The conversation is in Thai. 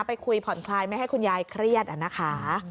ไปคุยผ่อนคลายไม่ให้คุณยายเครียดนะคะ